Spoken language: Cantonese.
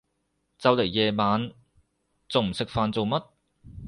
就嚟夜晚，仲唔食飯做乜？